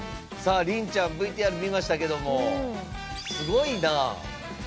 さありんちゃんＶＴＲ見ましたけどもすごいな。